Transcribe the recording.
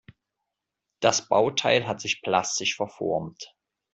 Das Bauteil hat sich plastisch verformt.